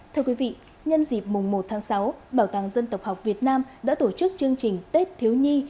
thưa quý vị nhân dịp mùng một tháng sáu bảo tàng dân tộc học việt nam đã tổ chức chương trình tết thiếu nhi